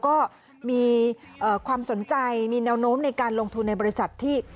ที่มีความสนใจมีแนวโน้มในการลงทุนในบริษัทที่พูดมากนึนออกมาก